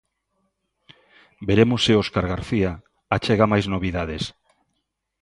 Veremos se Óscar García achega máis novidades.